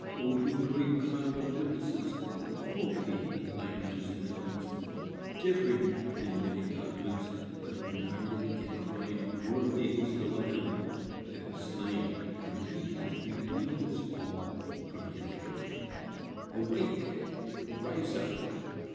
O, ye great cloud of witnesses, of all people and languages and tongues!—differing in many doctrines, but united in crying Worthy is the Lamb that was slain, for he hath redeemed us from all iniquity!—awake!—arise up!